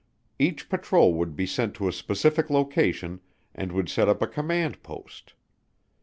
Each patrol would be sent to a specific location and would set up a command post.